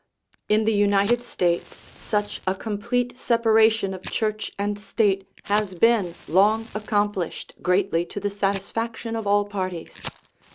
In the United States such a complete separation of Church and State has been long accomplished, greatly to the satisfaction of all parties.